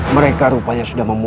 mereka rupanya sudah berhenti